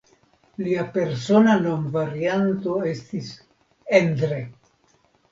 Lia persona nomvarianto estis "Endre".